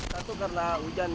satu karena hujan